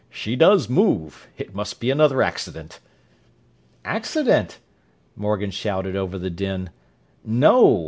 "She does move! It must be another accident." "Accident?" Morgan shouted over the din. "No!